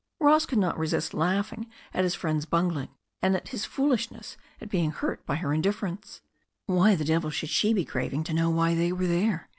Ross could not resist laughing at his friend's bungling, and at his foolishness at being hurt by her indifference. Why the devil should she be craving to know why they were there